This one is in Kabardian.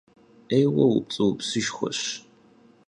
'êyue vupts'ıupsışşxueş.